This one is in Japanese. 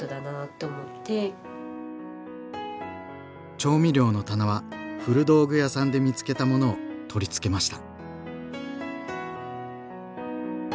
調味料の棚は古道具屋さんで見つけたものを取り付けました。